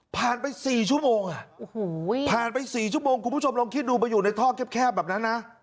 ไป๔ชั่วโมงผ่านไป๔ชั่วโมงคุณผู้ชมลองคิดดูไปอยู่ในท่อแคบแบบนั้นนะ